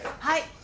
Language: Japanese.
はい。